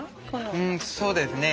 うんそうですね。